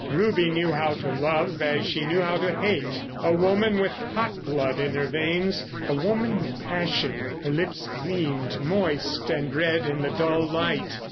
Ruby knew how to love as she knew how to hate; a woman with hot blood in her veins, a woman with passion. Her lips gleamed moist and red in the dull light.